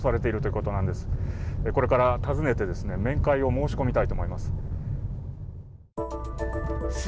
これから訪ねて面会を申し込みたいと思います。